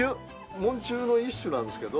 門柱の一種なんですけど。